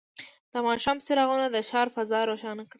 د ماښام څراغونه د ښار فضا روښانه کړه.